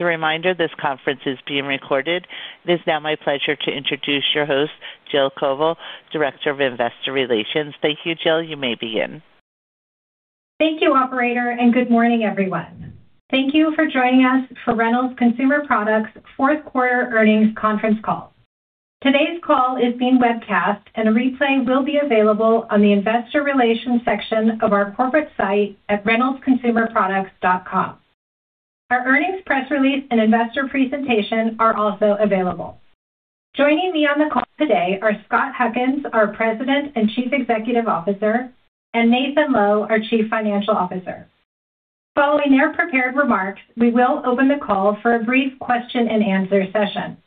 A reminder, this conference is being recorded. It is now my pleasure to introduce your host, Jill Koval, Director of Investor Relations. Thank you, Jill. You may begin. Thank you, Operator, and good morning, everyone. Thank you for joining us for Reynolds Consumer Products' fourth quarter earnings conference call. Today's call is being webcast, and a replay will be available on the investor relations section of our corporate site at reynoldsconsumerproducts.com. Our earnings press release and investor presentation are also available. Joining me on the call today are Scott Huckins, our President and Chief Executive Officer, and Nathan Lowe, our Chief Financial Officer. Following their prepared remarks, we will open the call for a brief question-and-answer session.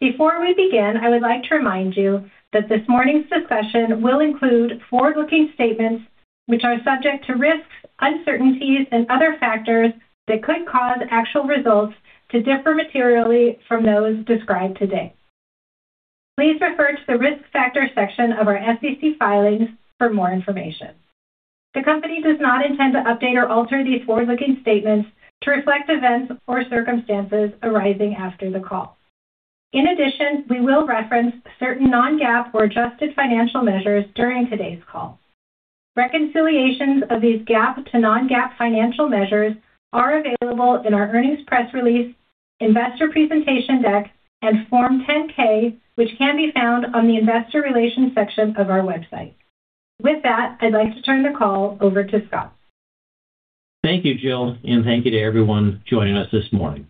Before we begin, I would like to remind you that this morning's discussion will include forward-looking statements, which are subject to risks, uncertainties, and other factors that could cause actual results to differ materially from those described today. Please refer to the Risk Factors section of our SEC filings for more information. The company does not intend to update or alter these forward-looking statements to reflect events or circumstances arising after the call. In addition, we will reference certain non-GAAP or adjusted financial measures during today's call. Reconciliations of these GAAP to non-GAAP financial measures are available in our earnings press release, investor presentation deck, and Form 10-K, which can be found on the investor relations section of our website. With that, I'd like to turn the call over to Scott. Thank you, Jill, and thank you to everyone joining us this morning.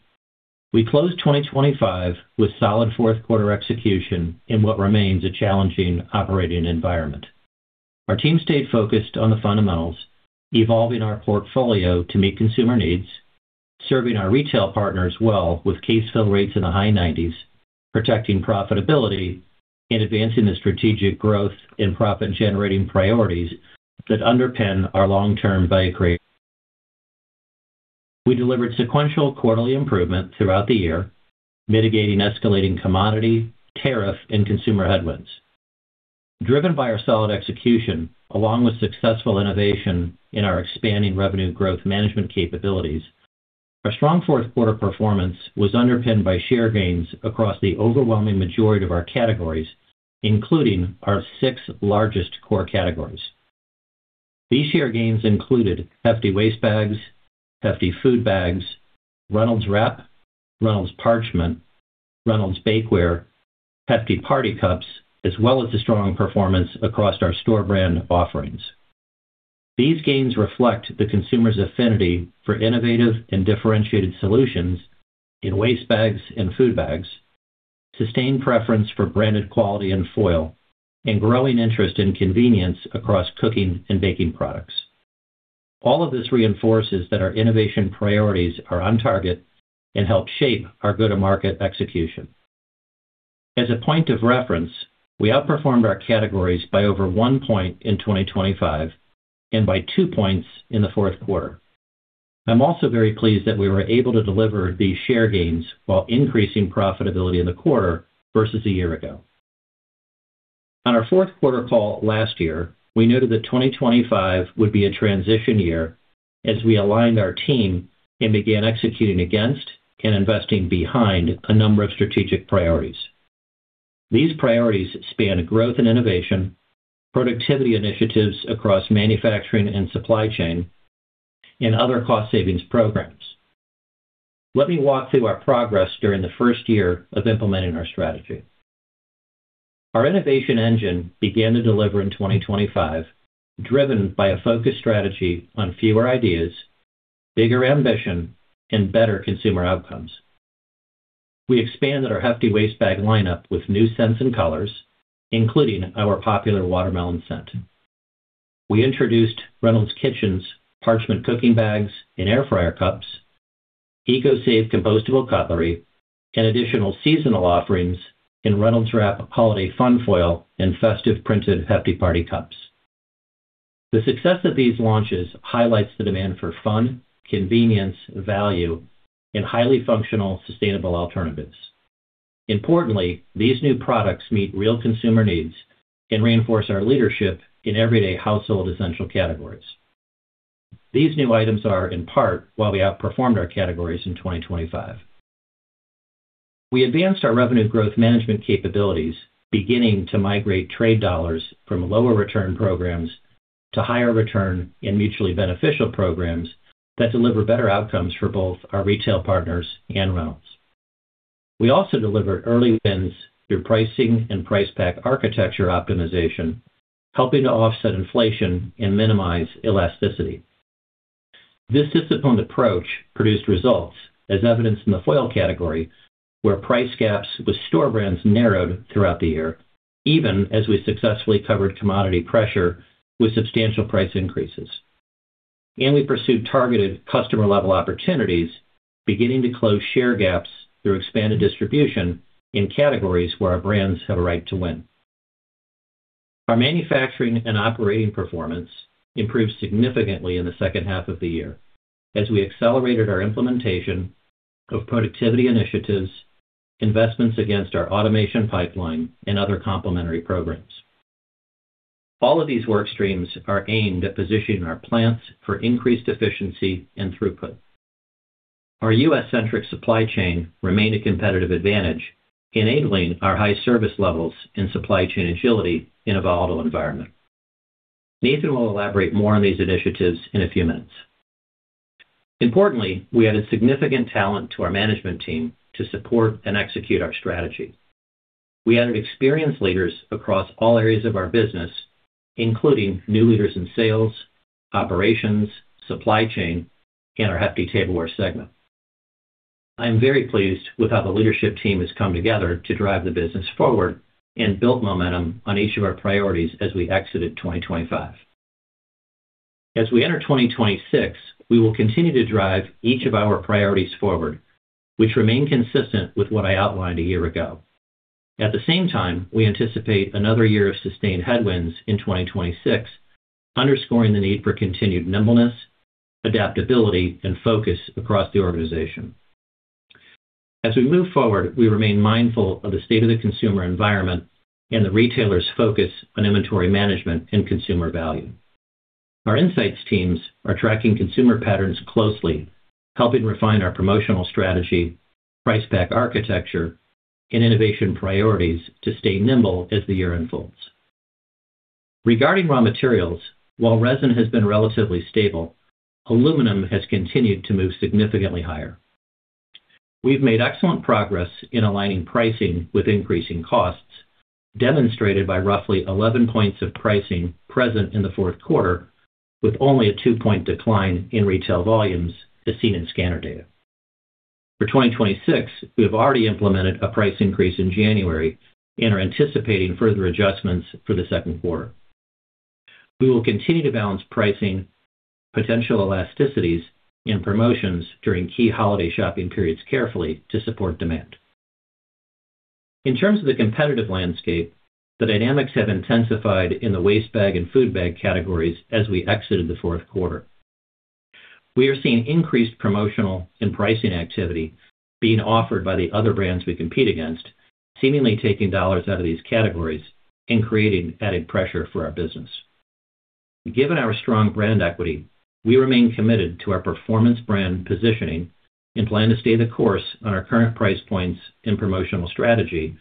We closed 2025 with solid fourth-quarter execution in what remains a challenging operating environment. Our team stayed focused on the fundamentals, evolving our portfolio to meet consumer needs, serving our retail partners well with case fill rates in the high 90s, protecting profitability, and advancing the strategic growth and profit-generating priorities that underpin our long-term value creation. We delivered sequential quarterly improvement throughout the year, mitigating escalating commodity, tariff, and consumer headwinds. Driven by our solid execution, along with successful innovation in our expanding revenue growth management capabilities, our strong fourth quarter performance was underpinned by share gains across the overwhelming majority of our categories, including our six largest core categories. These share gains included Hefty Waste Bags, Hefty Food Bags, Reynolds Wrap, Reynolds Parchment, Reynolds Bakeware, Hefty Party Cups, as well as the strong performance across our store brand offerings. These gains reflect the consumer's affinity for innovative and differentiated solutions in waste bags and food bags, sustained preference for branded quality and foil, and growing interest in convenience across cooking and baking products. All of this reinforces that our innovation priorities are on target and help shape our go-to-market execution. As a point of reference, we outperformed our categories by over 1 point in 2025 and by 2 points in the fourth quarter. I'm also very pleased that we were able to deliver these share gains while increasing profitability in the quarter versus a year ago. On our fourth quarter call last year, we noted that 2025 would be a transition year as we aligned our team and began executing against and investing behind a number of strategic priorities. These priorities span growth and innovation, productivity initiatives across manufacturing and supply chain, and other cost savings programs. Let me walk through our progress during the first year of implementing our strategy. Our innovation engine began to deliver in 2025, driven by a focused strategy on fewer ideas, bigger ambition, and better consumer outcomes. We expanded our Hefty Waste Bags lineup with new scents and colors, including our popular watermelon scent. We introduced Reynolds Kitchens Parchment Cooking Bags and Air Fryer Cups, ECOSAVE Compostable Cutlery, and additional seasonal offerings in Reynolds Wrap Holiday Fun Foil and festive printed Hefty Party Cups. The success of these launches highlights the demand for fun, convenience, value, and highly functional, sustainable alternatives. Importantly, these new products meet real consumer needs and reinforce our leadership in everyday household essential categories. These new items are, in part, why we outperformed our categories in 2025. We advanced our revenue growth management capabilities, beginning to migrate trade dollars from lower return programs to higher return and mutually beneficial programs that deliver better outcomes for both our retail partners and Reynolds. We also delivered early wins through pricing and price pack architecture optimization, helping to offset inflation and minimize elasticity. This disciplined approach produced results, as evidenced in the foil category, where price gaps with store brands narrowed throughout the year, even as we successfully covered commodity pressure with substantial price increases. We pursued targeted customer-level opportunities, beginning to close share gaps through expanded distribution in categories where our brands have a right to win. Our manufacturing and operating performance improved significantly in the second half of the year as we accelerated our implementation of productivity initiatives, investments against our automation pipeline, and other complementary programs.... All of these work streams are aimed at positioning our plants for increased efficiency and throughput. Our U.S.-centric supply chain remained a competitive advantage, enabling our high service levels and supply chain agility in a volatile environment. Nathan will elaborate more on these initiatives in a few minutes. Importantly, we added significant talent to our management team to support and execute our strategy. We added experienced leaders across all areas of our business, including new leaders in sales, operations, supply chain, and our Hefty Tableware segment. I'm very pleased with how the leadership team has come together to drive the business forward and built momentum on each of our priorities as we exited 2025. As we enter 2026, we will continue to drive each of our priorities forward, which remain consistent with what I outlined a year ago. At the same time, we anticipate another year of sustained headwinds in 2026, underscoring the need for continued nimbleness, adaptability, and focus across the organization. As we move forward, we remain mindful of the state of the consumer environment and the retailers' focus on inventory management and consumer value. Our insights teams are tracking consumer patterns closely, helping refine our promotional strategy, price pack architecture, and innovation priorities to stay nimble as the year unfolds. Regarding raw materials, while resin has been relatively stable, aluminum has continued to move significantly higher. We've made excellent progress in aligning pricing with increasing costs, demonstrated by roughly 11 points of pricing present in the fourth quarter, with only a two-point decline in retail volumes as seen in scanner data. For 2026, we have already implemented a price increase in January and are anticipating further adjustments for the second quarter. We will continue to balance pricing, potential elasticities, and promotions during key holiday shopping periods carefully to support demand. In terms of the competitive landscape, the dynamics have intensified in the waste bag and food bag categories as we exited the fourth quarter. We are seeing increased promotional and pricing activity being offered by the other brands we compete against, seemingly taking dollars out of these categories and creating added pressure for our business. Given our strong brand equity, we remain committed to our performance brand positioning and plan to stay the course on our current price points and promotional strategy,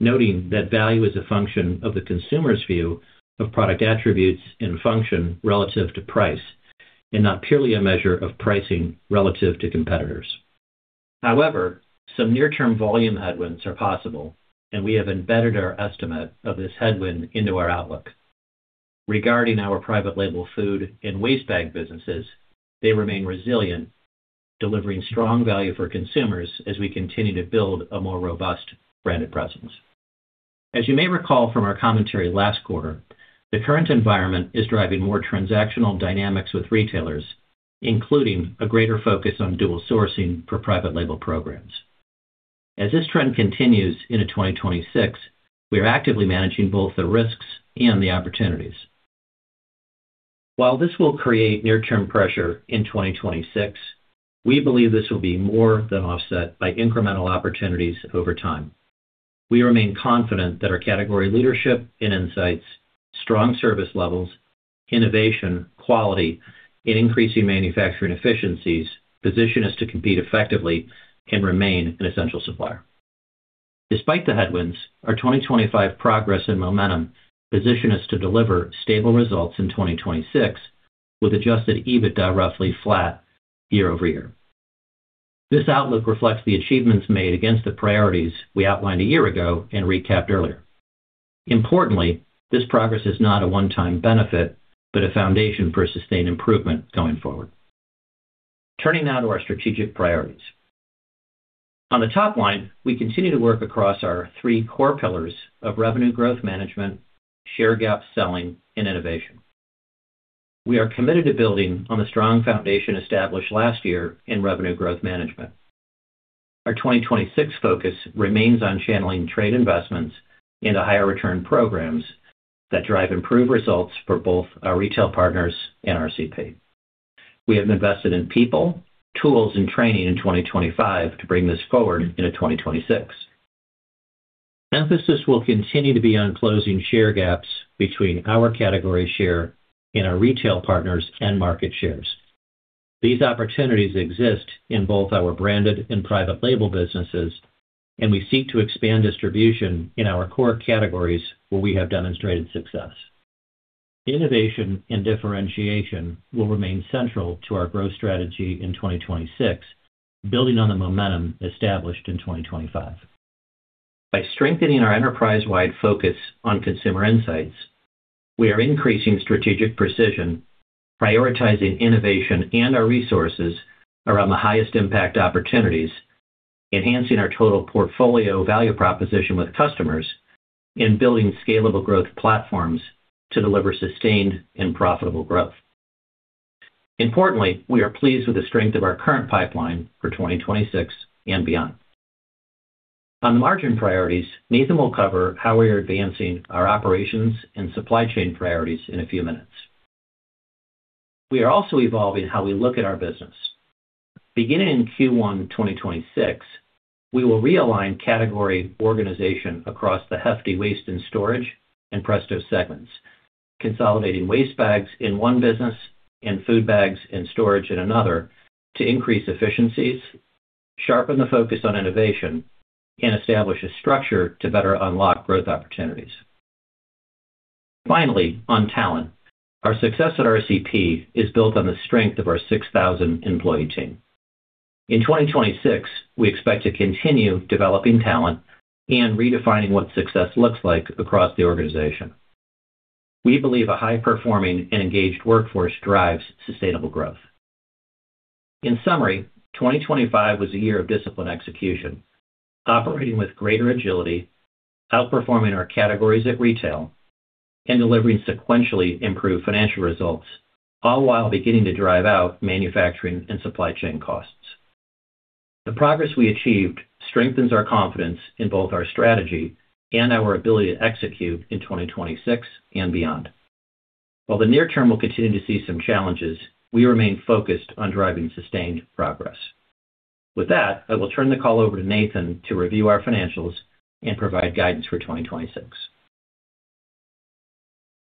noting that value is a function of the consumer's view of product attributes and function relative to price, and not purely a measure of pricing relative to competitors. However, some near-term volume headwinds are possible, and we have embedded our estimate of this headwind into our outlook. Regarding our private label food and waste bag businesses, they remain resilient, delivering strong value for consumers as we continue to build a more robust branded presence. As you may recall from our commentary last quarter, the current environment is driving more transactional dynamics with retailers, including a greater focus on dual sourcing for private label programs. As this trend continues into 2026, we are actively managing both the risks and the opportunities. While this will create near-term pressure in 2026, we believe this will be more than offset by incremental opportunities over time. We remain confident that our category leadership and insights, strong service levels, innovation, quality, and increasing manufacturing efficiencies position us to compete effectively and remain an essential supplier. Despite the headwinds, our 2025 progress and momentum position us to deliver stable results in 2026, with adjusted EBITDA roughly flat year-over-year. This outlook reflects the achievements made against the priorities we outlined a year ago and recapped earlier. Importantly, this progress is not a one-time benefit, but a foundation for sustained improvement going forward. Turning now to our strategic priorities. On the top line, we continue to work across our three core pillars of revenue growth management, share gap selling, and Innovation. We are committed to building on the strong foundation established last year in revenue growth management. Our 2026 focus remains on channeling trade investments into higher return programs that drive improved results for both our retail partners and RCP. We have invested in people, tools, and training in 2025 to bring this forward into 2026. Emphasis will continue to be on closing share gaps between our category share and our retail partners and market shares. These opportunities exist in both our branded and private label businesses, and we seek to expand distribution in our core categories where we have demonstrated success. Innovation and differentiation will remain central to our growth strategy in 2026, building on the momentum established in 2025. By strengthening our enterprise-wide focus on consumer insights, we are increasing strategic precision, prioritizing innovation and our resources around the highest impact opportunities, enhancing our total portfolio value proposition with customers, and building scalable growth platforms to deliver sustained and profitable growth. Importantly, we are pleased with the strength of our current pipeline for 2026 and beyond. On the margin priorities, Nathan will cover how we are advancing our operations and supply chain priorities in a few minutes. We are also evolving how we look at our business. Beginning in Q1 2026, we will realign category organization across the Hefty Waste and Storage and Presto segments, consolidating waste bags in one business and food bags and storage in another, to increase efficiencies, sharpen the focus on innovation, and establish a structure to better unlock growth opportunities. Finally, on talent. Our success at RCP is built on the strength of our 6,000 employee team. In 2026, we expect to continue developing talent and redefining what success looks like across the organization. We believe a high-performing and engaged workforce drives sustainable growth. In summary, 2025 was a year of disciplined execution, operating with greater agility, outperforming our categories at retail, and delivering sequentially improved financial results, all while beginning to drive out manufacturing and supply chain costs. The progress we achieved strengthens our confidence in both our strategy and our ability to execute in 2026 and beyond. While the near term will continue to see some challenges, we remain focused on driving sustained progress. With that, I will turn the call over to Nathan to review our financials and provide guidance for 2026.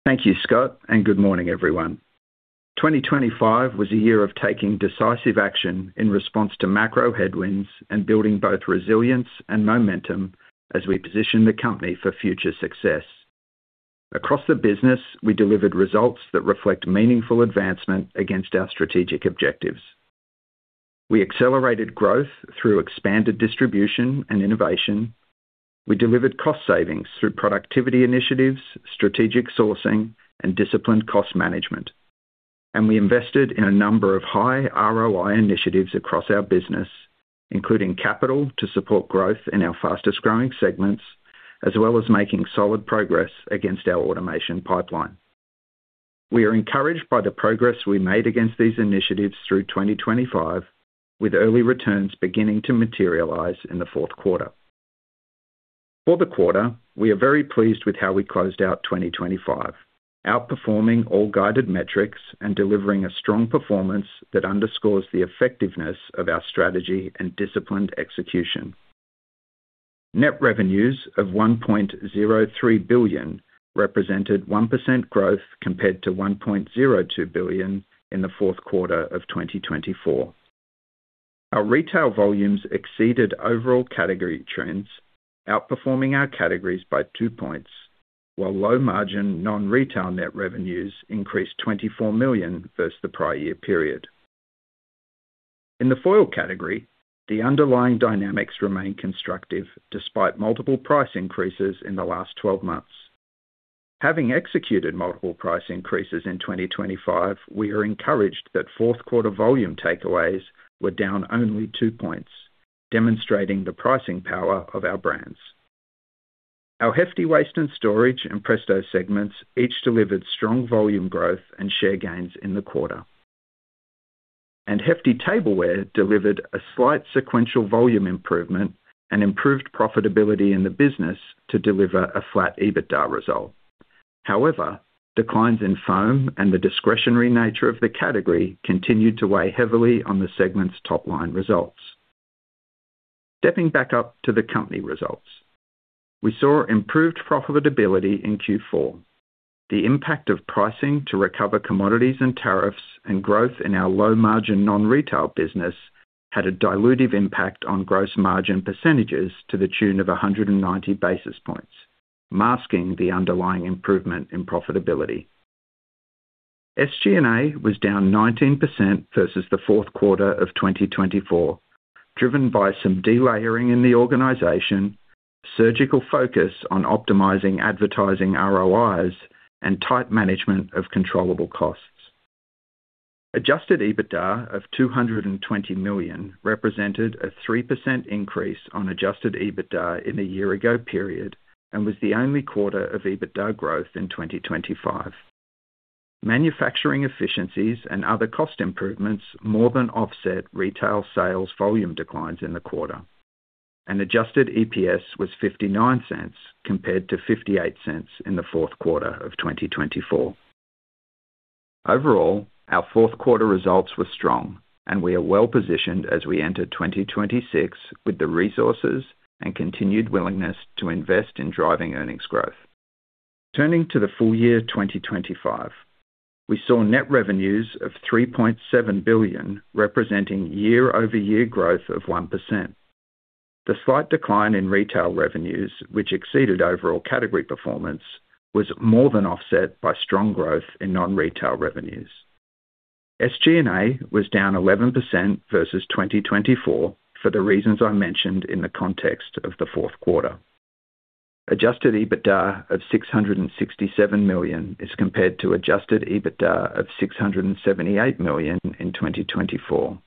Thank you, Scott, and good morning, everyone. 2025 was a year of taking decisive action in response to macro headwinds and building both resilience and momentum as we position the company for future success. Across the business, we delivered results that reflect meaningful advancement against our strategic objectives. We accelerated growth through expanded distribution and innovation. We delivered cost savings through productivity initiatives, strategic sourcing, and disciplined cost management. And we invested in a number of high ROI initiatives across our business, including capital to support growth in our fastest-growing segments, as well as making solid progress against our automation pipeline. We are encouraged by the progress we made against these initiatives through 2025, with early returns beginning to materialize in the fourth quarter. For the quarter, we are very pleased with how we closed out 2025, outperforming all guided metrics and delivering a strong performance that underscores the effectiveness of our strategy and disciplined execution. Net revenues of $1.03 billion represented 1% growth compared to $1.02 billion in the fourth quarter of 2024. Our retail volumes exceeded overall category trends, outperforming our categories by 2 points, while low-margin, non-retail net revenues increased $24 million versus the prior year period. In the foil category, the underlying dynamics remain constructive despite multiple price increases in the last 12 months. Having executed multiple price increases in 2025, we are encouraged that fourth quarter volume takeaways were down only 2 points, demonstrating the pricing power of our brands. Our Hefty Waste and Storage and Presto segments each delivered strong volume growth and share gains in the quarter. And Hefty Tableware` delivered a slight sequential volume improvement and improved profitability in the business to deliver a flat EBITDA result. However, declines in foam and the discretionary nature of the category continued to weigh heavily on the segment's top-line results. Stepping back up to the company results. We saw improved profitability in Q4. The impact of pricing to recover commodities and tariffs and growth in our low-margin non-retail business had a dilutive impact on gross margin percentages to the tune of 190 basis points, masking the underlying improvement in profitability. SG&A was down 19% versus the fourth quarter of 2024, driven by some delayering in the organization, surgical focus on optimizing advertising ROIs, and tight management of controllable costs. Adjusted EBITDA of $220 million represented a 3% increase on adjusted EBITDA in the year-ago period and was the only quarter of EBITDA growth in 2025. Manufacturing efficiencies and other cost improvements more than offset retail sales volume declines in the quarter, and adjusted EPS was $0.59, compared to $0.58 in the fourth quarter of 2024. Overall, our fourth quarter results were strong, and we are well positioned as we enter 2026 with the resources and continued willingness to invest in driving earnings growth. Turning to the full year 2025, we saw net revenues of $3.7 billion, representing year-over-year growth of 1%. The slight decline in retail revenues, which exceeded overall category performance, was more than offset by strong growth in non-retail revenues. SG&A was down 11% versus 2024, for the reasons I mentioned in the context of the fourth quarter. Adjusted EBITDA of $667 million is compared to adjusted EBITDA of $678 million in 2024.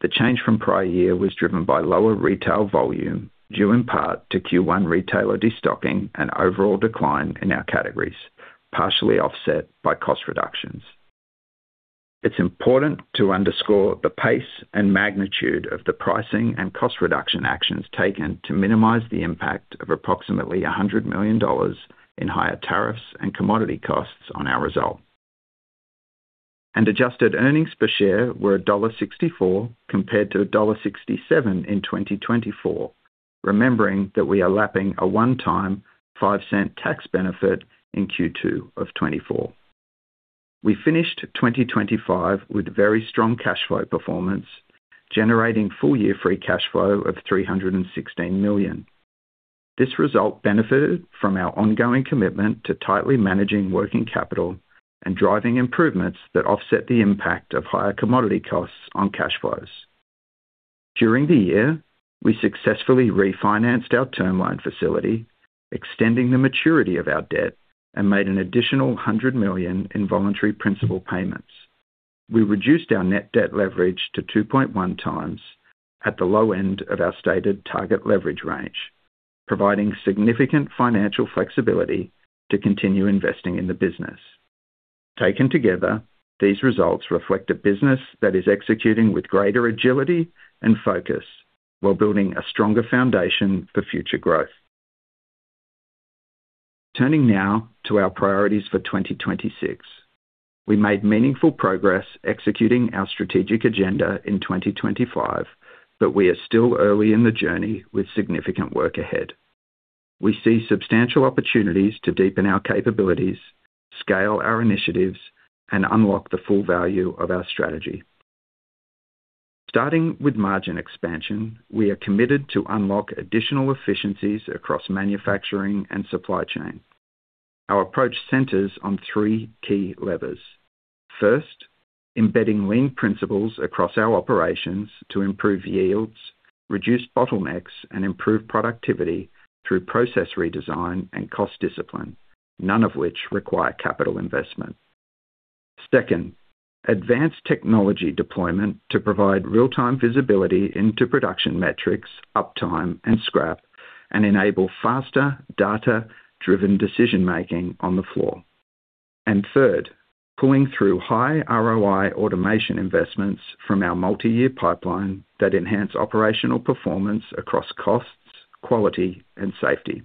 The change from prior year was driven by lower retail volume, due in part to Q1 retailer destocking and overall decline in our categories, partially offset by cost reductions. It's important to underscore the pace and magnitude of the pricing and cost reduction actions taken to minimize the impact of approximately $100 million in higher tariffs and commodity costs on our result.... and adjusted earnings per share were $1.64, compared to $1.67 in 2024. Remembering that we are lapping a one-time $0.05 tax benefit in Q2 of 2024. We finished 2025 with very strong cash flow performance, generating full-year free cash flow of $316 million. This result benefited from our ongoing commitment to tightly managing working capital and driving improvements that offset the impact of higher commodity costs on cash flows. During the year, we successfully refinanced our term loan facility, extending the maturity of our debt, and made an additional $100 million in voluntary principal payments. We reduced our net debt leverage to 2.1x at the low end of our stated target leverage range, providing significant financial flexibility to continue investing in the business. Taken together, these results reflect a business that is executing with greater agility and focus, while building a stronger foundation for future growth. Turning now to our priorities for 2026. We made meaningful progress executing our strategic agenda in 2025, but we are still early in the journey with significant work ahead. We see substantial opportunities to deepen our capabilities, scale our initiatives, and unlock the full value of our strategy. Starting with margin expansion, we are committed to unlock additional efficiencies across manufacturing and supply chain. Our approach centers on three key levers. First, embedding lean principles across our operations to improve yields, reduce bottlenecks, and improve productivity through process redesign and cost discipline, none of which require capital investment. Second, advanced technology deployment to provide real-time visibility into production metrics, uptime, and scrap, and enable faster data-driven decision making on the floor. And third, pulling through high ROI automation investments from our multi-year pipeline that enhance operational performance across costs, quality, and safety.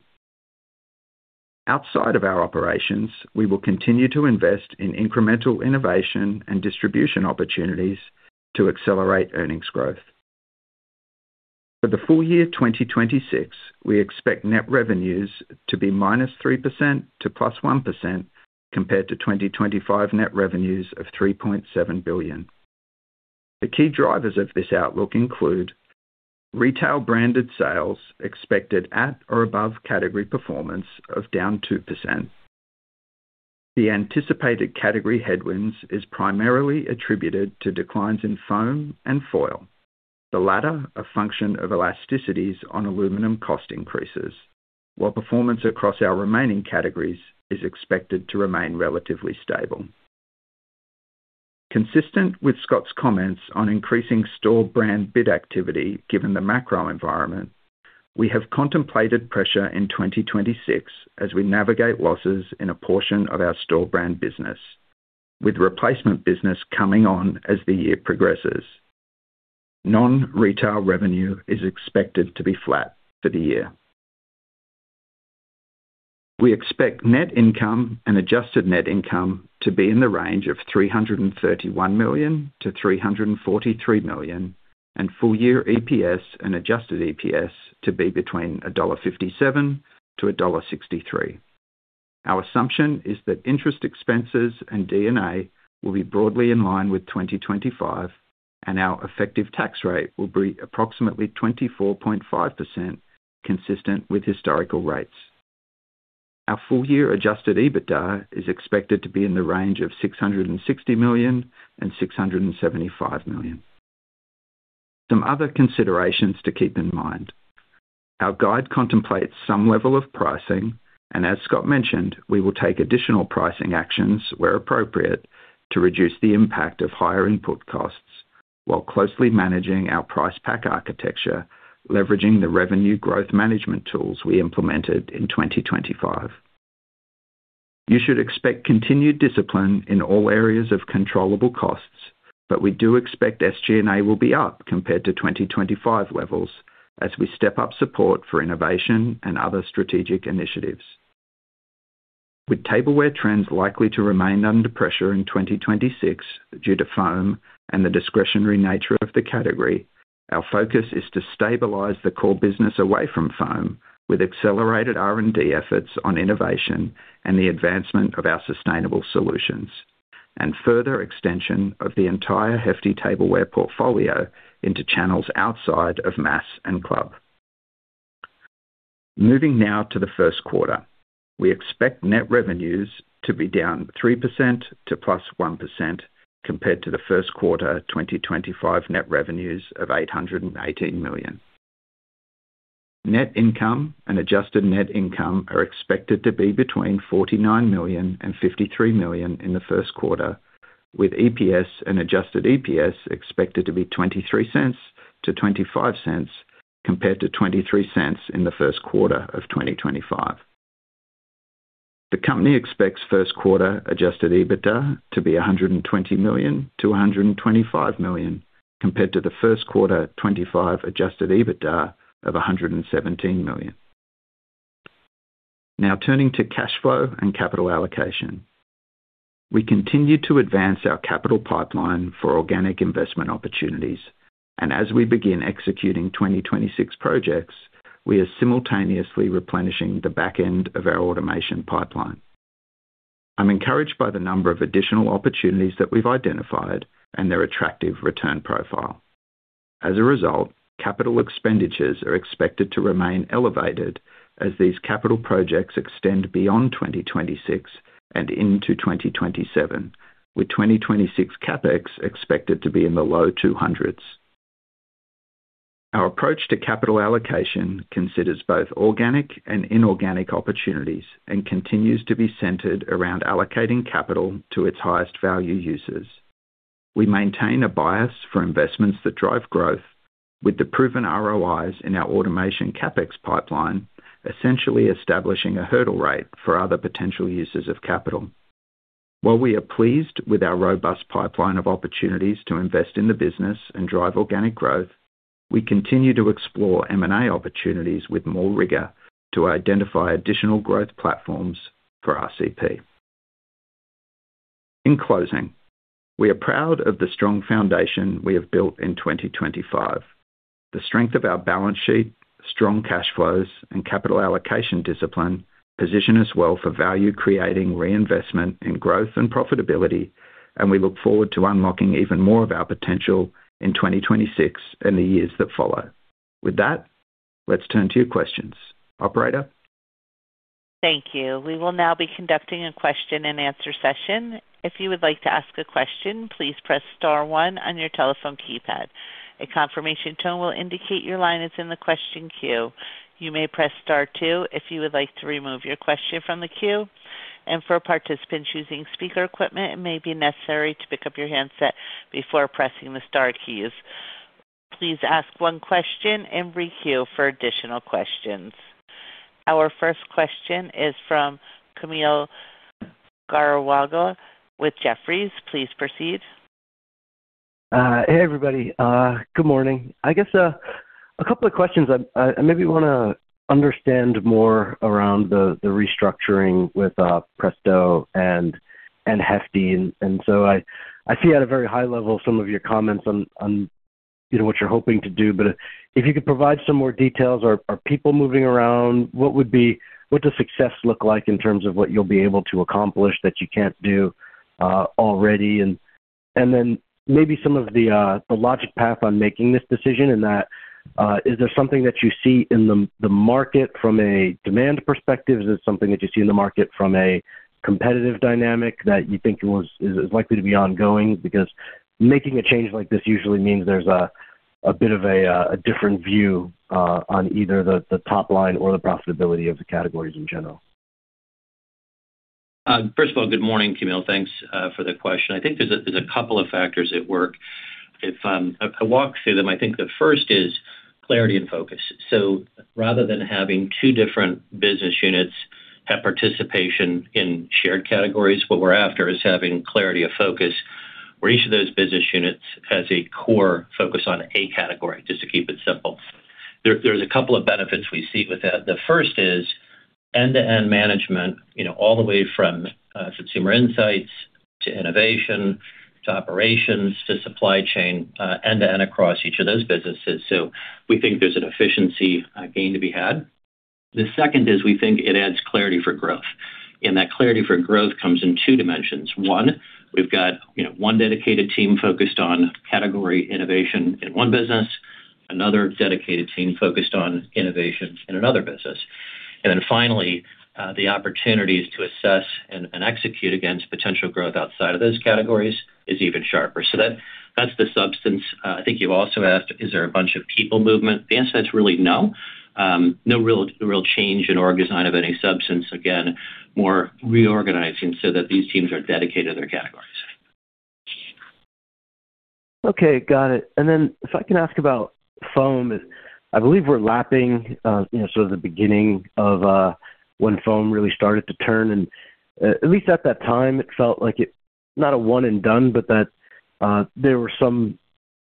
Outside of our operations, we will continue to invest in incremental innovation and distribution opportunities to accelerate earnings growth. For the full year 2026, we expect net revenues to be -3% to +1%, compared to 2025 net revenues of $3.7 billion. The key drivers of this outlook include retail branded sales expected at or above category performance of down 2%. The anticipated category headwinds is primarily attributed to declines in foam and foil. The latter, a function of elasticities on aluminum cost increases, while performance across our remaining categories is expected to remain relatively stable. Consistent with Scott's comments on increasing store brand bid activity, given the macro environment, we have contemplated pressure in 2026 as we navigate losses in a portion of our store brand business, with replacement business coming on as the year progresses. Non-retail revenue is expected to be flat for the year. We expect net income and adjusted net income to be in the range of $331 million-$343 million, and full year EPS and adjusted EPS to be between $1.57-$1.63. Our assumption is that interest expenses and D&A will be broadly in line with 2025, and our effective tax rate will be approximately 24.5%, consistent with historical rates. Our full year adjusted EBITDA is expected to be in the range of $660 million-$675 million. Some other considerations to keep in mind: Our guide contemplates some level of pricing, and as Scott mentioned, we will take additional pricing actions where appropriate, to reduce the impact of higher input costs, while closely managing our price pack architecture, leveraging the revenue growth management tools we implemented in 2025. You should expect continued discipline in all areas of controllable costs, but we do expect SG&A will be up compared to 2025 levels as we step up support for innovation and other strategic initiatives. With tableware trends likely to remain under pressure in 2026 due to foam and the discretionary nature of the category, our focus is to stabilize the core business away from foam, with accelerated R&D efforts on innovation and the advancement of our sustainable solutions, and further extension of the entire Hefty Tableware portfolio into channels outside of mass and club. Moving now to the first quarter. We expect net revenues to be down 3% to +1% compared to the first quarter of 2025 net revenues of $818 million. Net income and adjusted net income are expected to be between $49 million and $53 million in the first quarter, with EPS and adjusted EPS expected to be $0.23-$0.25, compared to $0.23 in the first quarter of 2025. The company expects first quarter adjusted EBITDA to be $120 million-$125 million, compared to the first quarter 2025 adjusted EBITDA of $117 million. Now turning to cash flow and capital allocation. We continue to advance our capital pipeline for organic investment opportunities, and as we begin executing 2026 projects, we are simultaneously replenishing the back end of our automation pipeline. I'm encouraged by the number of additional opportunities that we've identified and their attractive return profile. As a result, capital expenditures are expected to remain elevated as these capital projects extend beyond 2026 and into 2027, with 2026 CapEx expected to be in the low 200s. Our approach to capital allocation considers both organic and inorganic opportunities and continues to be centered around allocating capital to its highest value users. We maintain a bias for investments that drive growth with the proven ROIs in our automation CapEx pipeline, essentially establishing a hurdle rate for other potential users of capital. While we are pleased with our robust pipeline of opportunities to invest in the business and drive organic growth, we continue to explore M&A opportunities with more rigor to identify additional growth platforms for RCP. In closing, we are proud of the strong foundation we have built in 2025. The strength of our balance sheet, strong cash flows, and capital allocation discipline position us well for value, creating reinvestment in growth and profitability, and we look forward to unlocking even more of our potential in 2026 and the years that follow. With that, let's turn to your questions. Operator? Thank you. We will now be conducting a question-and-answer session. If you would like to ask a question, please press star one on your telephone keypad. A confirmation tone will indicate your line is in the question queue. You may press star two if you would like to remove your question from the queue, and for a participant choosing speaker equipment, it may be necessary to pick up your handset before pressing the star keys. Please ask one question and re queue for additional questions. Our first question is from Kaumil Gajrawala with Jefferies. Please proceed. Hey, everybody, good morning. I guess, a couple of questions. I maybe wanna understand more around the restructuring with Presto and Hefty. And so I see at a very high level some of your comments on, you know, what you're hoping to do, but if you could provide some more details. Are people moving around? What does success look like in terms of what you'll be able to accomplish that you can't do already? And then maybe some of the logic path on making this decision, and that, is there something that you see in the market from a demand perspective? Is it something that you see in the market from a competitive dynamic that you think is likely to be ongoing? Because making a change like this usually means there's a bit of a different view on either the top line or the profitability of the categories in general. First of all, good morning, Kaumil. Thanks for the question. I think there's a couple of factors at work. If I walk through them, I think the first is clarity and focus. So rather than having two different business units have participation in shared categories, what we're after is having clarity of focus, where each of those business units has a core focus on a category, just to keep it simple. There's a couple of benefits we see with that. The first is end-to-end management, you know, all the way from consumer insights to innovation, to operations, to supply chain, end-to-end across each of those businesses. So we think there's an efficiency gain to be had. The second is we think it adds clarity for growth, and that clarity for growth comes in two dimensions. One, we've got, you know, one dedicated team focused on category innovation in one business, another dedicated team focused on innovations in another business. And then finally, the opportunities to assess and execute against potential growth outside of those categories is even sharper. So, that's the substance. I think you've also asked, is there a bunch of people movement? The answer is really no. No real change in org design of any substance. Again, more reorganizing so that these teams are dedicated to their categories. Okay, got it. And then if I can ask about foam. I believe we're lapping, you know, sort of the beginning of, when foam really started to turn, and, at least at that time, it felt like it... Not a one and done, but that, there were some,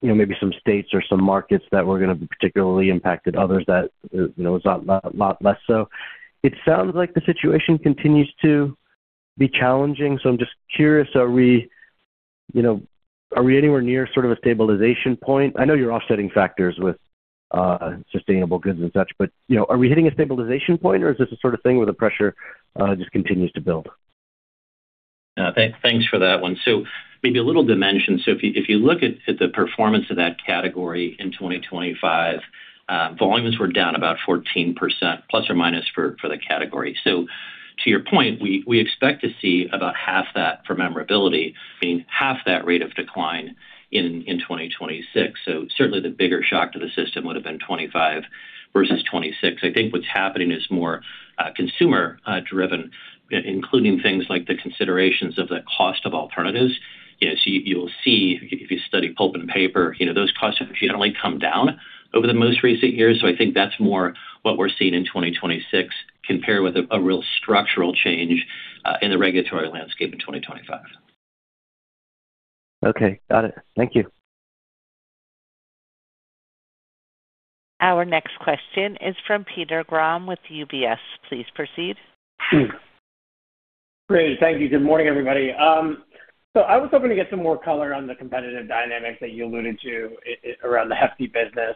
you know, maybe some states or some markets that were gonna be particularly impacted, others that, you know, it was lot, lot less so. It sounds like the situation continues to be challenging, so I'm just curious, are we, you know, are we anywhere near sort of a stabilization point? I know you're offsetting factors with, sustainable goods and such, but, you know, are we hitting a stabilization point, or is this the sort of thing where the pressure, just continues to build? Thanks for that one. So maybe a little dimension. So if you look at the performance of that category in 2025, volumes were down about 14%± for the category. So to your point, we expect to see about half that for the Hefty, being half that rate of decline in 2026. So certainly the bigger shock to the system would have been 2025 versus 2026. I think what's happening is more consumer driven, including things like the considerations of the cost of alternatives. Yes, you'll see if you study pulp and paper, you know, those costs generally come down over the most recent years. So I think that's more what we're seeing in 2026, compared with a real structural change in the regulatory landscape in 2025. Okay, got it. Thank you. Our next question is from Peter Grom with UBS. Please proceed. Great. Thank you. Good morning, everybody. So I was hoping to get some more color on the competitive dynamics that you alluded to around the Hefty business.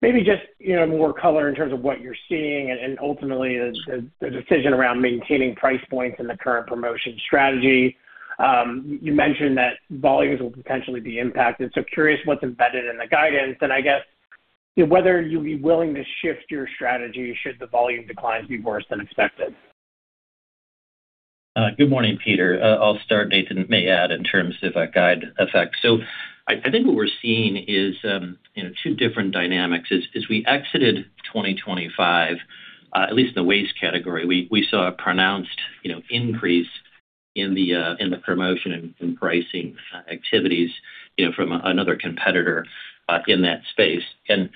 Maybe just, you know, more color in terms of what you're seeing and ultimately the decision around maintaining price points in the current promotion strategy. You mentioned that volumes will potentially be impacted, so curious what's embedded in the guidance, and I guess, you know, whether you'll be willing to shift your strategy should the volume declines be worse than expected? Good morning, Peter. I'll start, Nathan may add in terms of a guide effect. So I think what we're seeing is, you know, two different dynamics. As we exited 2025, at least in the waste category, we saw a pronounced, you know, increase in the promotion and pricing activities, you know, from another competitor in that space. And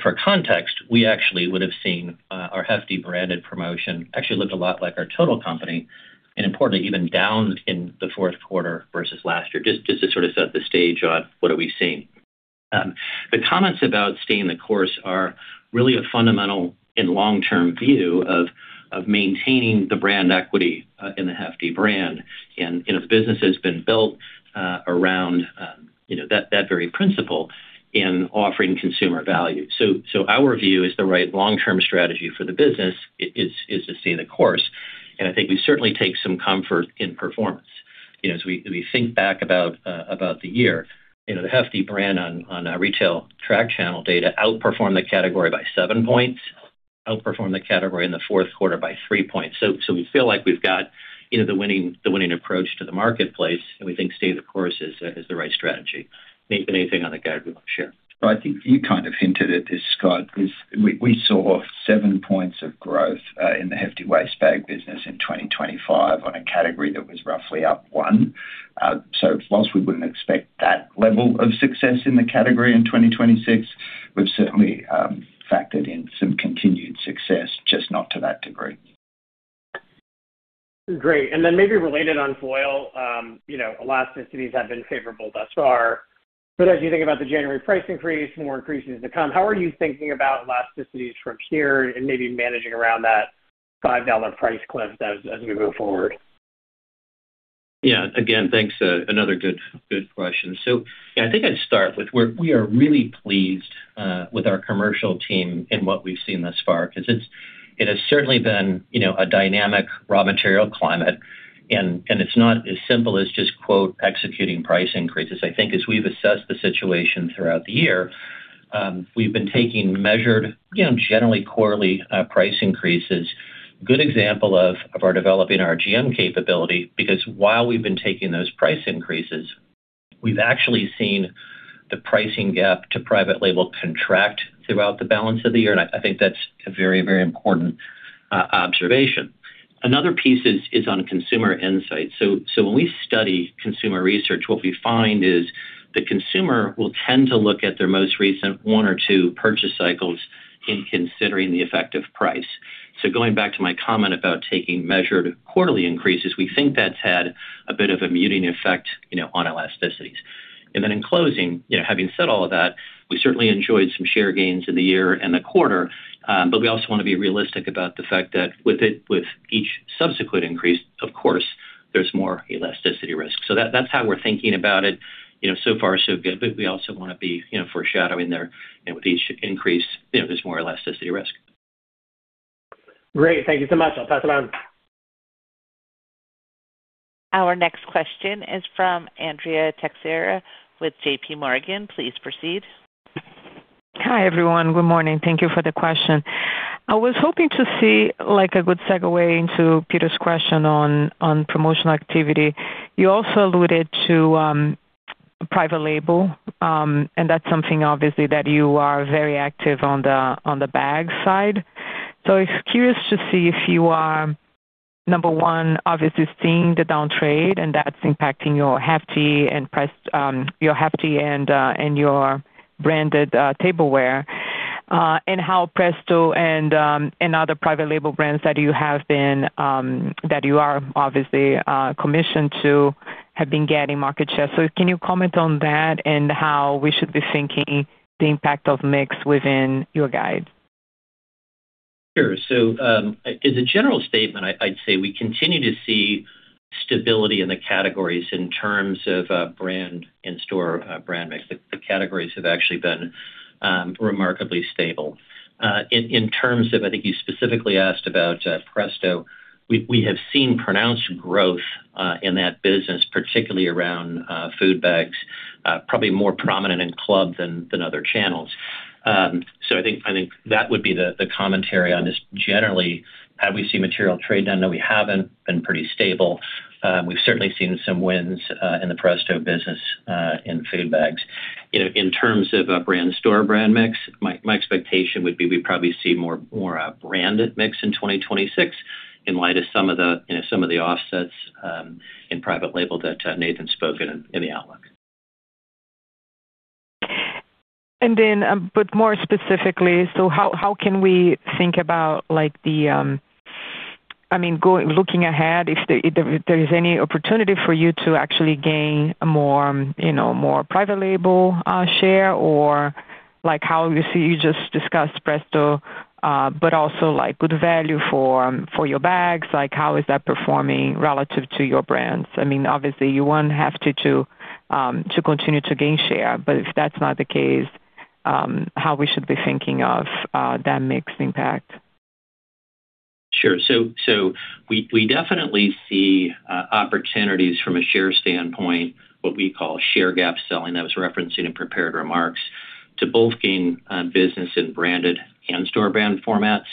for context, we actually would've seen our Hefty branded promotion actually looked a lot like our total company, and importantly, even down in the fourth quarter versus last year, just to sort of set the stage on what are we seeing. The comments about staying the course are really a fundamental and long-term view of maintaining the brand equity in the Hefty brand, and the business has been built around you know that very principle in offering consumer value. So our view is the right long-term strategy for the business is to stay the course, and I think we certainly take some comfort in performance. You know, as we think back about the year, you know, the Hefty brand on our retail track channel data outperformed the category by 7 points, outperformed the category in the fourth quarter by 3 points. So we feel like we've got you know the winning approach to the marketplace, and we think staying the course is the right strategy. Nathan, anything on the guide you want to share? I think you kind of hinted at this, Scott, 'cause we saw 7 points of growth in the Hefty Waste Bag business in 2025 on a category that was roughly up 1. So while we wouldn't expect that level of success in the category in 2026, we've certainly factored in some continued success, just not to that degree. Great. And then maybe related on foil, you know, elasticities have been favorable thus far. But as you think about the January price increase, more increases to come, how are you thinking about elasticities from here and maybe managing around that $5 price cliff as we move forward? Yeah. Again, thanks. Another good, good question. So I think I'd start with where we are really pleased with our commercial team in what we've seen thus far, 'cause it has certainly been, you know, a dynamic raw material climate, and it's not as simple as just, quote, "executing price increases." I think as we've assessed the situation throughout the year, we've been taking measured, you know, generally quarterly price increases. Good example of our developing our GM capability, because while we've been taking those price increases, we've actually seen the pricing gap to private label contract throughout the balance of the year, and I think that's a very, very important observation. Another piece is on consumer insight. So, so when we study consumer research, what we find is the consumer will tend to look at their most recent one or two purchase cycles in considering the effect of price. So going back to my comment about taking measured quarterly increases, we think that's had a bit of a muting effect, you know, on elasticities. And then in closing, you know, having said all of that, we certainly enjoyed some share gains in the year and the quarter, but we also wanna be realistic about the fact that with each subsequent increase, of course, there's more elasticity risk. So that's how we're thinking about it. You know, so far, so good, but we also wanna be, you know, foreshadowing there, and with each increase, you know, there's more elasticity risk. Great. Thank you so much. I'll pass it on. Our next question is from Andrea Teixeira with JPMorgan. Please proceed. Hi, everyone. Good morning. Thank you for the question. I was hoping to see, like, a good segue into Peter's question on promotional activity. You also alluded to private label, and that's something obviously that you are very active on the bag side. Curious to see if you are, number one, obviously seeing the down trade, and that's impacting your Hefty and price, your Hefty and your branded Tableware, and how Presto and other private label brands that you have been, that you are obviously commissioned to, have been gaining market share. Can you comment on that and how we should be thinking the impact of mix within your guide? Sure. So, as a general statement, I, I'd say we continue to see stability in the categories in terms of, brand and store, brand mix. The categories have actually been remarkably stable. In terms of, I think you specifically asked about Presto, we have seen pronounced growth in that business, particularly around food bags, probably more prominent in club than other channels. So I think that would be the commentary on this. Generally, have we seen material trade down? Though we haven't been pretty stable. We've certainly seen some wins in the Presto business in food bags. You know, in terms of a brand store, brand mix, my expectation would be we probably see more branded mix in 2026, in light of some of the, you know, some of the offsets in private label that Nathan spoke in the outlook. And then, but more specifically, so how, how can we think about, like, the, I mean, looking ahead, if there, if there is any opportunity for you to actually gain a more, you know, more private label, share, or like how you see, you just discussed Presto, but also like good value for, for your bags, like, how is that performing relative to your brands? I mean, obviously you won't have to, to, to continue to gain share, but if that's not the case, how we should be thinking of, that mix impact? Sure. So we definitely see opportunities from a share standpoint, what we call share gap selling. That was referencing in prepared remarks to both gain business and branded and store brand formats.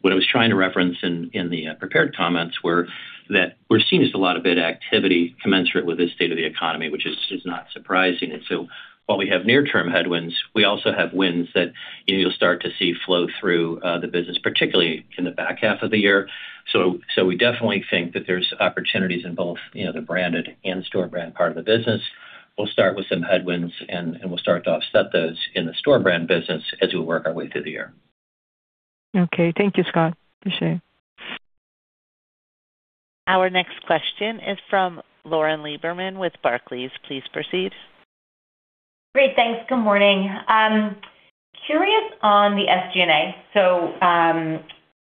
What I was trying to reference in the prepared comments were that we're seeing just a lot of bid activity commensurate with this state of the economy, which is not surprising. And so while we have near-term headwinds, we also have winds that, you know, you'll start to see flow through the business, particularly in the back half of the year. So we definitely think that there's opportunities in both, you know, the branded and store brand part of the business. We'll start with some headwinds, and we'll start to offset those in the store brand business as we work our way through the year. Okay, thank you, Scott. Appreciate it. Our next question is from Lauren Lieberman with Barclays. Please proceed. Great, thanks. Good morning. Curious on the SG&A. So,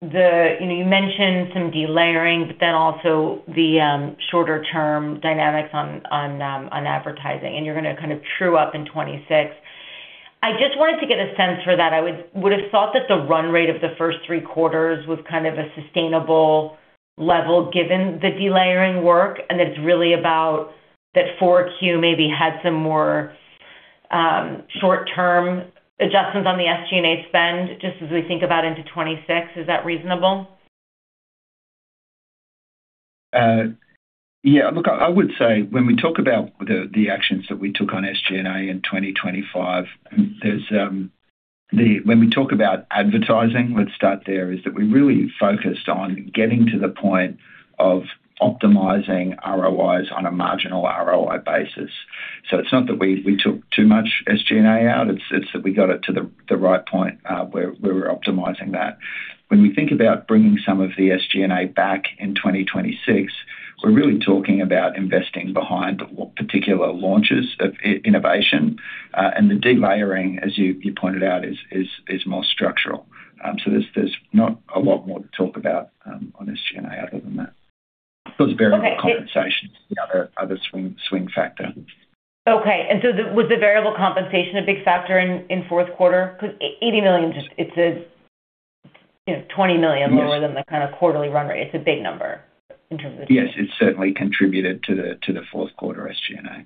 the—you know, you mentioned some delayering, but then also the shorter term dynamics on advertising, and you're gonna kind of true up in 2026. I just wanted to get a sense for that. I would've thought that the run rate of the first three quarters was kind of a sustainable level, given the delayering work, and it's really about that 4Q maybe had some more short-term adjustments on the SG&A spend, just as we think about into 2026. Is that reasonable? Yeah, look, I would say when we talk about the actions that we took on SG&A in 2025, there's when we talk about advertising, let's start there, is that we really focused on getting to the point of optimizing ROIs on a marginal ROI basis. So it's not that we took too much SG&A out, it's that we got it to the right point, where we're optimizing that. When we think about bringing some of the SG&A back in 2026, we're really talking about investing behind particular launches of innovation, and the delayering, as you pointed out, is more structural. So there's not a lot more to talk about on SG&A other than that. Those variable compensations, the other swing factor. Okay. So was the variable compensation a big factor in fourth quarter? Because $80 million, it's a, you know, $20 million- Yes. lower than the kind of quarterly run rate. It's a big number in terms of- Yes, it certainly contributed to the fourth quarter SG&A.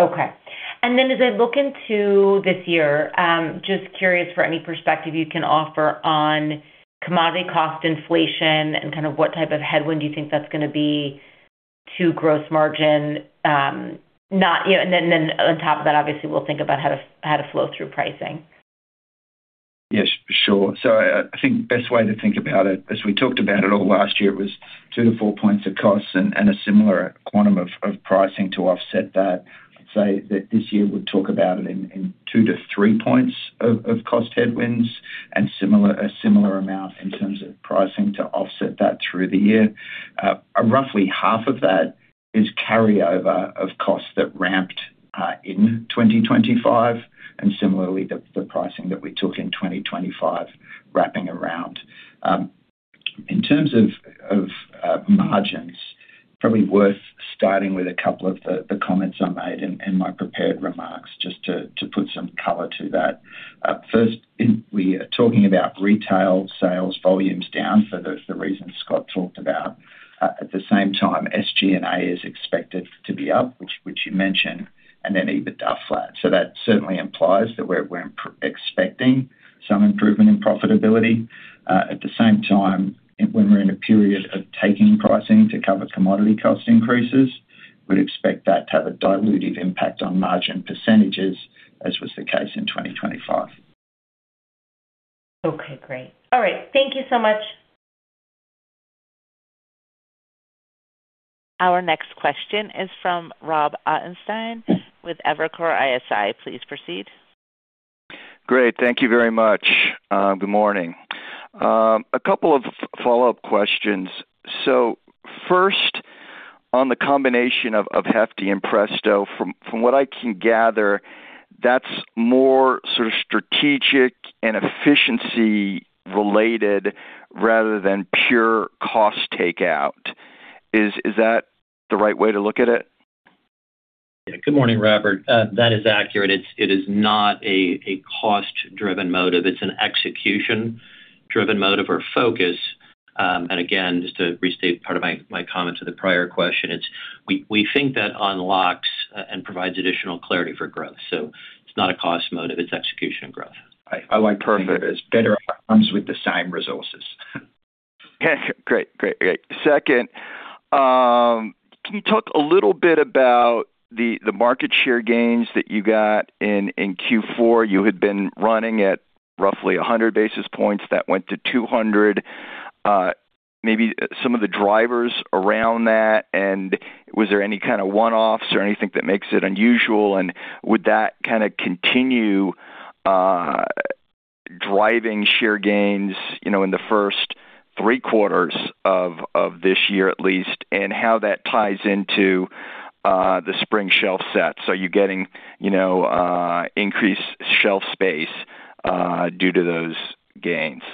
Okay. Then as I look into this year, just curious for any perspective you can offer on commodity cost inflation and kind of what type of headwind do you think that's gonna be to gross margin? You know, and then on top of that, obviously, we'll think about how to flow through pricing. Yes, for sure. So I think the best way to think about it, as we talked about it all last year, was 2-4 points of costs and a similar quantum of pricing to offset that. I'd say that this year we'll talk about it in 2-3 points of cost headwinds and a similar amount in terms of pricing to offset that through the year. Roughly half of that is carryover of costs that ramped in 2025, and similarly, the pricing that we took in 2025, wrapping around. In terms of margins, probably worth starting with a couple of the comments I made in my prepared remarks, just to put some color to that. First, we are talking about retail sales volumes down for those reasons Scott talked about. At the same time, SG&A is expected to be up, which you mentioned, and then EBITDA flat. So that certainly implies that we're expecting some improvement in profitability. At the same time, when we're in a period of taking pricing to cover commodity cost increases, we'd expect that to have a dilutive impact on margin percentages, as was the case in 2025. Okay, great. All right. Thank you so much. Our next question is from Rob Ottenstein with Evercore ISI. Please proceed. Great. Thank you very much. Good morning. A couple of follow-up questions. So first, on the combination of Hefty and Presto, from what I can gather, that's more sort of strategic and efficiency related rather than pure cost takeout. Is that the right way to look at it? Yeah. Good morning, Robert. That is accurate. It is not a cost-driven motive. It's an execution-driven motive or focus. And again, just to restate part of my comment to the prior question, we think that unlocks and provides additional clarity for growth. So it's not a cost motive, it's execution and growth. I like to think of it as better outcomes with the same resources. Great, great, great. Second, can you talk a little bit about the market share gains that you got in Q4? You had been running at roughly 100 basis points, that went to 200. Maybe some of the drivers around that, and was there any kind of one-offs or anything that makes it unusual, and would that kind of continue driving share gains, you know, in the first three quarters of this year, at least, and how that ties into the spring shelf set. So you're getting, you know, increased shelf space due to those gains?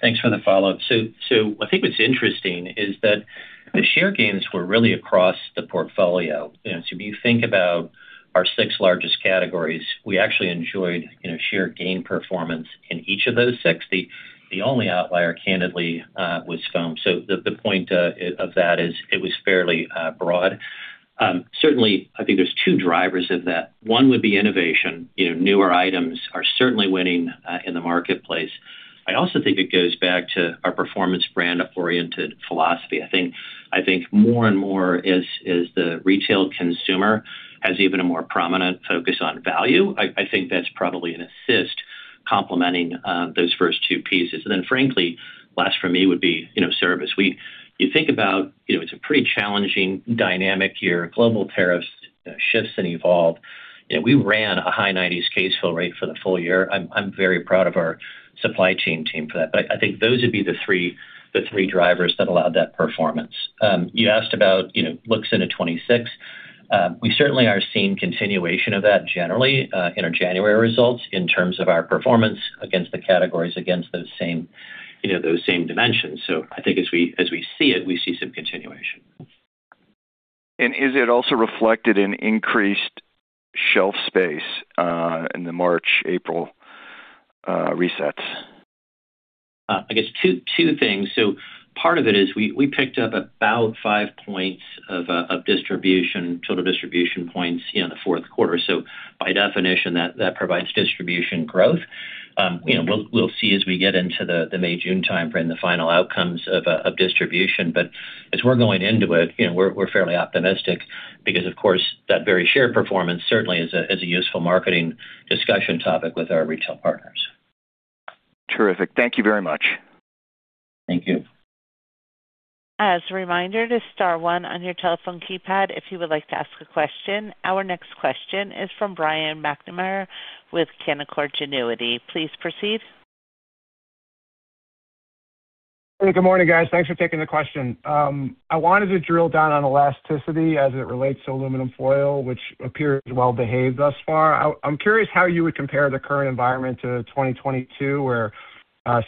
Thanks for the follow-up. So, so I think what's interesting is that the share gains were really across the portfolio. You know, so if you think about our six largest categories, we actually enjoyed, you know, share gain performance in each of those six. The only outlier, candidly, was foam. So the point of that is it was fairly broad. Certainly, I think there's two drivers of that. One would be innovation. You know, newer items are certainly winning in the marketplace. I also think it goes back to our performance brand-oriented philosophy. I think more and more as the retail consumer has even a more prominent focus on value, I think that's probably an assist complementing those first two pieces. And then, frankly, last for me would be, you know, service. You think about, you know, it's a pretty challenging dynamic year, global tariffs, shifts that evolved. You know, we ran a high 90s case fill rate for the full year. I'm very proud of our supply chain team for that. But I think those would be the three drivers that allowed that performance. You asked about, you know, looks into 2026. We certainly are seeing continuation of that generally in our January results, in terms of our performance against the categories, against those same, you know, those same dimensions. So I think as we see it, we see some continuation. Is it also reflected in increased shelf space in the March, April resets? I guess two things. So part of it is we picked up about 5 points of distribution, total distribution points in the fourth quarter. So by definition, that provides distribution growth. You know, we'll see as we get into the May-June timeframe, the final outcomes of distribution. But as we're going into it, you know, we're fairly optimistic because, of course, that very share performance certainly is a useful marketing discussion topic with our retail partners. Terrific. Thank you very much. Thank you. As a reminder, press star one on your telephone keypad if you would like to ask a question. Our next question is from Brian McNamara with Canaccord Genuity. Please proceed. Hey, good morning, guys. Thanks for taking the question. I wanted to drill down on elasticity as it relates to aluminum foil, which appears well behaved thus far. I'm curious how you would compare the current environment to 2022, where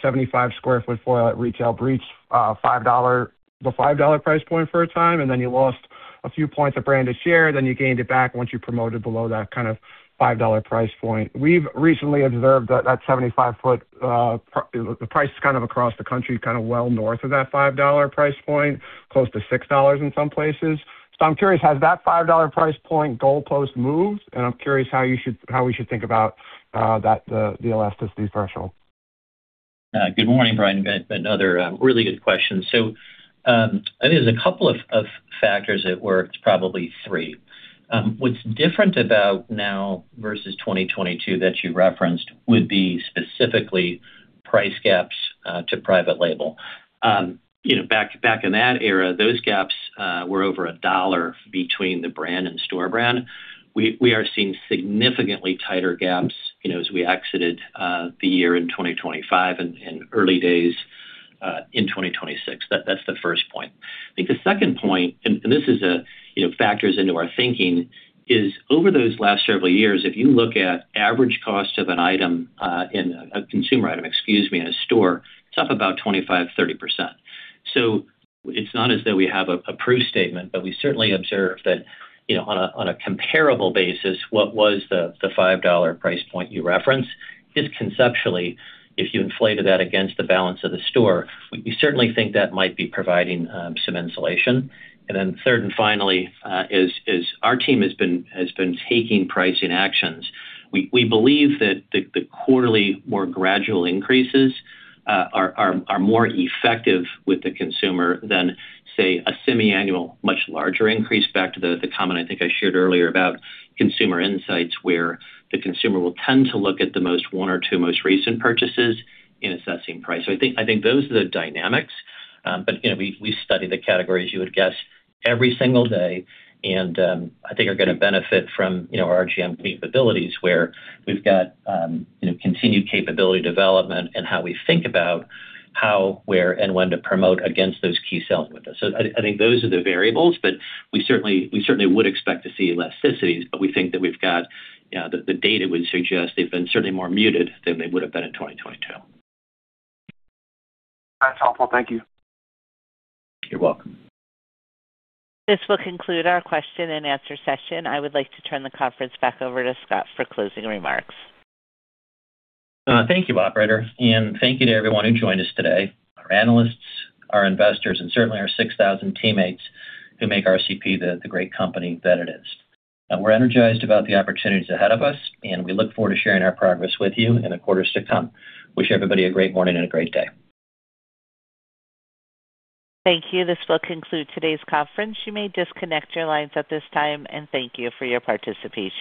75 sq. ft. foil at retail breached the $5 price point for a time, and then you lost a few points of branded share, then you gained it back once you promoted below that kind of $5 price point. We've recently observed that 75-foot price kind of across the country, kind of well north of that $5 price point, close to $6 in some places. So I'm curious, has that $5 price point goalpost moved? And I'm curious how we should think about the elasticity threshold. Good morning, Brian. Another really good question. So, I think there's a couple of factors at work, probably three. What's different about now versus 2022 that you referenced would be specifically price gaps to private label. You know, back in that era, those gaps were over $1 between the brand and store brand. We are seeing significantly tighter gaps, you know, as we exited the year in 2025 and early days in 2026. That's the first point. I think the second point, and this is a factor into our thinking, is over those last several years, if you look at average cost of an item in a consumer item, excuse me, in a store, it's up about 25%-30%. So it's not as though we have a proof statement, but we certainly observe that, you know, on a comparable basis, what was the $5 price point you referenced, just conceptually, if you inflated that against the balance of the store, we certainly think that might be providing some insulation. And then third, and finally, our team has been taking pricing actions. We believe that the quarterly, more gradual increases are more effective with the consumer than, say, a semiannual, much larger increase. Back to the comment I think I shared earlier about consumer insights, where the consumer will tend to look at the most, one or two most recent purchases in assessing price. So I think those are the dynamics. But, you know, we study the categories, you would guess, every single day, and, I think are gonna benefit from, you know, RGM capabilities, where we've got, you know, continued capability development and how we think about how, where, and when to promote against those key selling weeks. So I think those are the variables, but we certainly would expect to see elasticities, but we think that we've got, the data would suggest they've been certainly more muted than they would have been in 2022. That's helpful. Thank you. You're welcome. This will conclude our question and answer session. I would like to turn the conference back over to Scott for closing remarks. Thank you, operator, and thank you to everyone who joined us today, our analysts, our investors, and certainly our 6,000 teammates who make RCP the great company that it is. We're energized about the opportunities ahead of us, and we look forward to sharing our progress with you in the quarters to come. Wish everybody a great morning and a great day. Thank you. This will conclude today's conference. You may disconnect your lines at this time, and thank you for your participation.